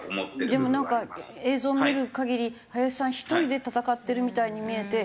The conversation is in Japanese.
でもなんか映像を見る限り林さん一人で闘ってるみたいに見えて。